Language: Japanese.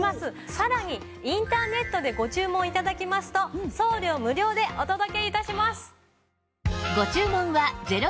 さらにインターネットでご注文頂きますと送料無料でお届け致します！